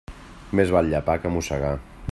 Més val llepar que mossegar.